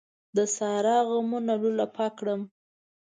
د سارا غمونو لولپه کړم.